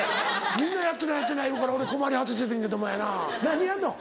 みんなやってない言うから俺困り果ててんけどもやな何やんの？